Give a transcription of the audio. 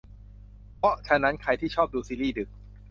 เพราะฉะนั้นใครที่ชอบดูซีรีส์ดึก